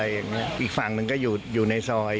อีกฝั่งหนึ่งก็อยู่ในซอย